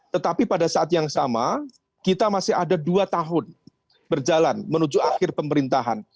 tetapi pada saat yang sama kita masih ada dua tahun berjalan menuju akhir pemerintahan